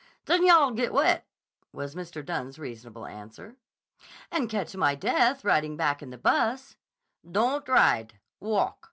"Then yah'll get wet," was Mr. Dunne's reasonable answer. "And catch my death riding back in the bus." "Don't ride. Walk.